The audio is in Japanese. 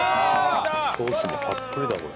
ソースもたっぷりだこれ。